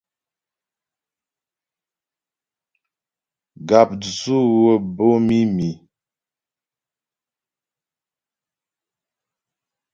Gàpdzʉ wə́ bǒ mǐmi.